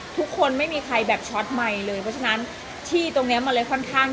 ทุกคนไม่มีใครแบบเลยเพราะฉะนั้นที่ตรงนี้อ่ะมาเลยค่อนข้าง